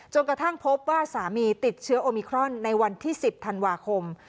กระทั่งพบว่าสามีติดเชื้อโอมิครอนในวันที่๑๐ธันวาคม